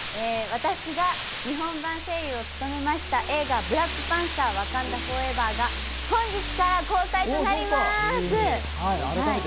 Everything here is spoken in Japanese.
私が日本版声優を務めた映画『ブラックパンサー／ワカンダ・フォーエバー』が本日から公開となります。